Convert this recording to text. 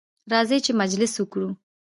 راځئ چې مجلس وکړو.